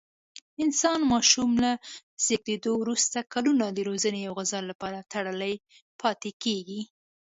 انسان ماشوم له زېږېدو وروسته کلونه د روزنې او غذا لپاره تړلی پاتې کېږي.